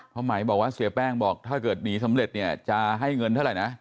ไหมบอกว่าเสียแป้งบอกถ้าเกิดหนีสำเร็จเนี่ยจะให้เงินเท่าไหร่นะ